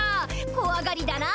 こわがりだな。